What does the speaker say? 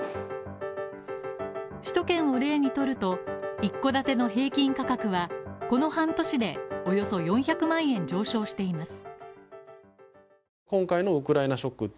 首都圏を例にとると、一戸建ての平均価格は、この半年でおよそ４００万円上昇しています。